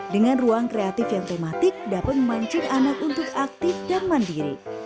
dengan ruang kreatif yang tematik dapat memancing anak untuk aktif dan mandiri